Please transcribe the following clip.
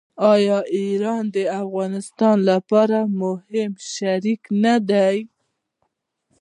آیا ایران د افغانستان لپاره مهم شریک نه دی؟